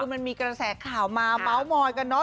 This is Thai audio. มันมีกระแสข่าวมาเมาส์มอยกันเนอ